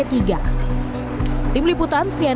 tim liputan cnnn